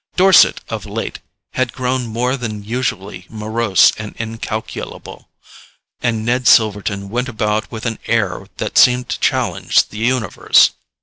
Dorset, of late, had grown more than usually morose and incalculable, and Ned Silverton went about with an air that seemed to challenge the universe.